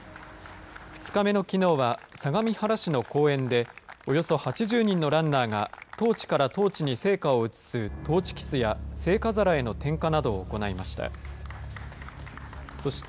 ２日目のきのうは、相模原市の公園で、およそ８０人のランナーが、トーチからトーチに聖火を移すトーチキスや、聖火皿への点火などを行いました。